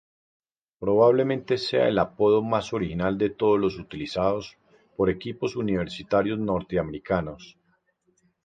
Probablemente sea el apodo más original de todos los utilizados por equipos universitarios norteamericanos.